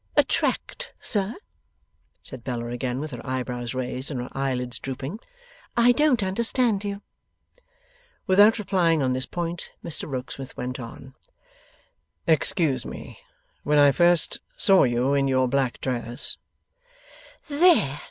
'Attract, sir?' said Bella, again with her eyebrows raised, and her eyelids drooping. 'I don't understand you.' Without replying on this point, Mr Rokesmith went on. 'Excuse me; when I first saw you in your black dress ' ['There!